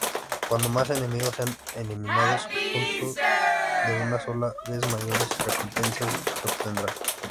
Cuantos más enemigos sean eliminados juntos de una sola vez mayores recompensas se obtendrán.